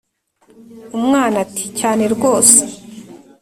umwana ati cyane rwose.